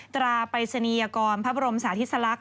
ตราปริศนียากรพระบรมศาษฎิษฎรักษ์